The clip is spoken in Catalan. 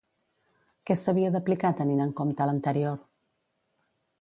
Què s'havia d'aplicar tenint en compte l'anterior?